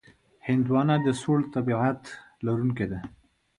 هندوانه د سوړ طبیعت لرونکې ده.